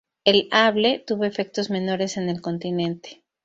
El Able tuvo efectos menores en el continente.